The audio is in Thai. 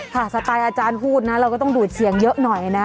สไตล์อาจารย์พูดนะเราก็ต้องดูดเสียงเยอะหน่อยนะ